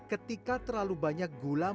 kemudian terjadi penyakit kronis